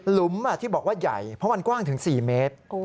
หุมที่บอกว่าใหญ่เพราะมันกว้างถึง๔เมตร